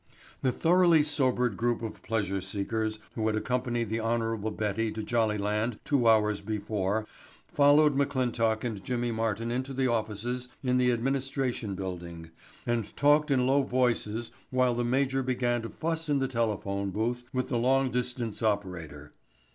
The thoroughly sobered group of pleasure seekers who had accompanied the Hon. Betty to Jollyland two hours before, followed McClintock and Jimmy Martin into the offices in the administration building and talked in low voices while the major began to fuss in the telephone booth with the long distance operator.